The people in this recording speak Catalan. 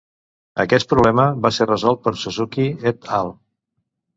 Aquest problema va ser resolt per Suzuki et al.